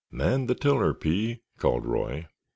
"Man the tiller, Pee," called Roy.